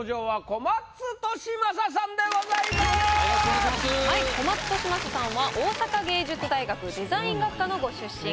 小松利昌さんは大阪芸術大学デザイン学科のご出身。